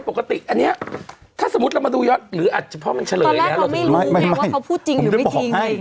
ปกติอันนี้ถ้าสมมุติเรามาดูยอดหรืออาจจะเพราะมันเฉลยแล้วเราไม่รู้ไงว่าเขาพูดจริงหรือไม่จริง